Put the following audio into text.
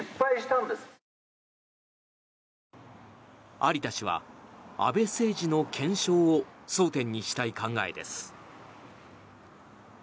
有田氏は安倍政治の検証を争点にしたい考えです。